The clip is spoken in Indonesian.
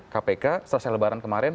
kpk selesai lebaran kemarin